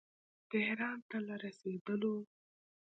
تهران ته له رسېدلو.